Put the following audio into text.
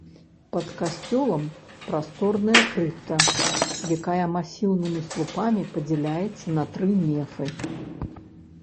Пад касцёлам прасторная крыпта, якая масіўнымі слупамі падзяляецца на тры нефы.